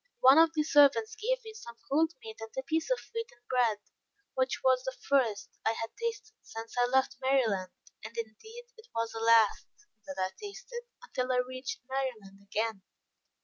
One of the servants gave me some cold meat and a piece of wheaten bread, which was the first I had tasted since I left Maryland, and indeed, it was the last that I tasted until I reached Maryland again.